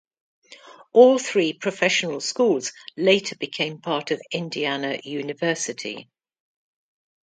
All three professional schools later became part of Indiana University.